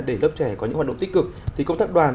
để lớp trẻ có những hoạt động tích cực thì công tác đoàn